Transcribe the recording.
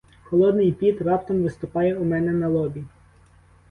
Холодний піт раптом виступає у мене на лобі.